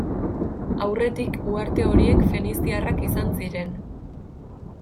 Aurretik, uharte horiek feniziarrak izan ziren.